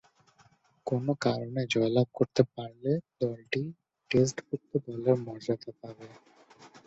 কোন কারণে জয়লাভ করতে পারলে দলটি টেস্টভূক্ত দলের মর্যাদা পাবে।